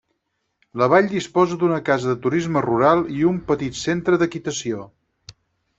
La vall disposa d'una casa de turisme rural i un petit centre d'equitació.